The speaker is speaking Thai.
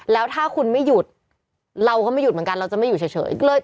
แล้วถ้าคุณไม่หยุดเราก็ไม่หยุดเหมือนกันเราจะไม่อยู่เฉย